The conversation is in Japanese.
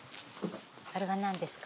あれは何ですか？